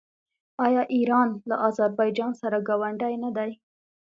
آیا ایران له اذربایجان سره ګاونډی نه دی؟